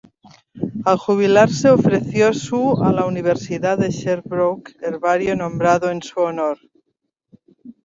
Al jubilarse, ofreció su a la Universidad de Sherbrooke, herbario nombrado en su honor.